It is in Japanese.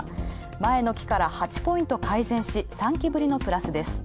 前の期から８ポイント改善し、３期ぶりのプラスです。